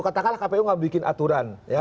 katakanlah kpu nggak bikin aturan